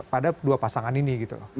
pada dua pasangan ini gitu